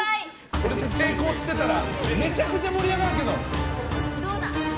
これで成功してたらめちゃくちゃ盛り上がるけど。